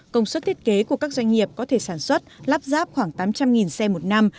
công suất thiết kế của các doanh nghiệp có thể sản xuất lắp ráp khoảng tám trăm linh xe một năm